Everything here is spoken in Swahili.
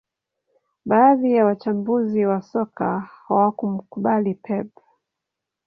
Baadhi ya wachambuzi wa soka hawamkubali Pep